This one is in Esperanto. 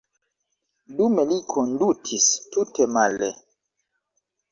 Dume li kondutis tute male.